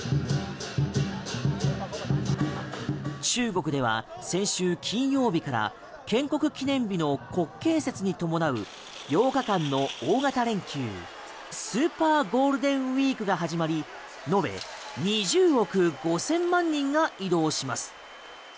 中国では先週金曜日から建国記念日の国慶節に伴う８日間の大型連休スーパーゴールデンウィークが始まり延べ２０億５０００万人が移動します。